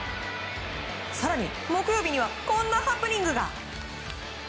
更に、木曜日にはこんなハプニングが。